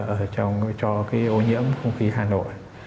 ở trong cho cái ô nhiễm không khí hà nội